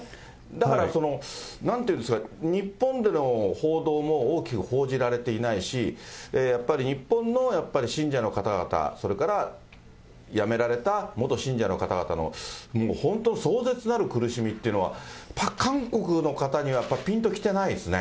だからなんというんですか、日本での報道も大きく報じられていないし、やっぱり日本の信者の方々、それからやめられた元信者の方々の、本当、壮絶なる苦しみというのは、韓国の方にはやっぱりぴんときてないですね。